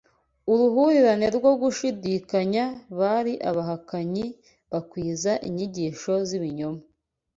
uruhurirane rwo gushidikanya bari abahakanyi bakwiza inyigisho z’ibinyoma